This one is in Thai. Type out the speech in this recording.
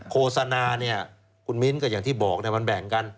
โฆษณาเนี่ยคุณมิ้นก็อย่างที่บอกมันแบ่งกัน